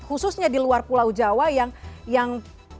khususnya di luar pulau jawa yang